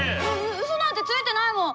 ううそなんてついてないもん！